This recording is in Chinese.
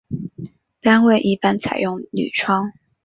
单位一般采用铝窗。